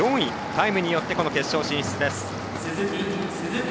タイムによってこの決勝進出です。